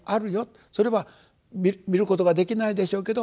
それは見ることができないでしょうけど